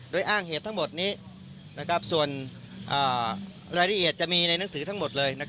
โดยอ้างเหตุทั้งหมดนี้ส่วนรายละเอียดจะมีในหนังสือทั้งหมดเลย